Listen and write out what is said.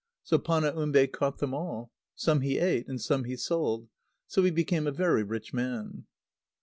So Panaumbe caught them all. Some he ate, and some he sold. So he became a very rich man.